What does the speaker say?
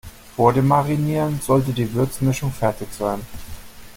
Vor dem Marinieren sollte die Würzmischung fertig sein.